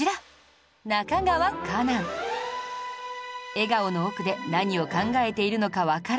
笑顔の奥で何を考えているのかわからない